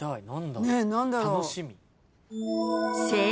何だろう？